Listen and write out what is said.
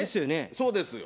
そうですよ。